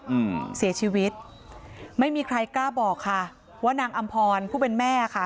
อืมเสียชีวิตไม่มีใครกล้าบอกค่ะว่านางอำพรผู้เป็นแม่ค่ะ